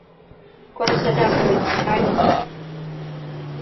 观测站还有其它用途。